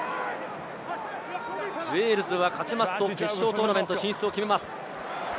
ウェールズは勝つと、決勝トーナメント進出を決めます。